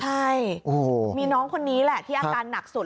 ใช่มีน้องคนนี้แหละที่อาการหนักสุด